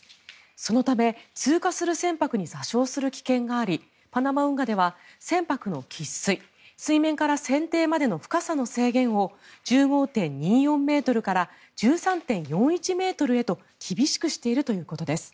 そのため通過する船舶に座礁する危険がありパナマ運河では船舶の喫水水面から船底までの深さの制限を１５．２４ｍから１３．４１ｍへと厳しくしているということです。